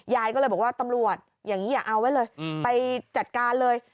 ยายก็เลยบอกว่าตำรวจอย่างนี้อย่าเอาไว้เลยไปจัดการเลย